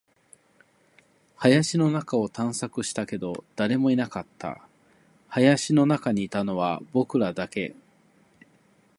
林の中を探索したけど、誰もいなかった。林の中にいたのは僕らだけ。